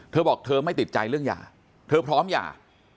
เธอบอกเธอไม่ติดใจเรื่องหย่าเธอพร้อมหย่า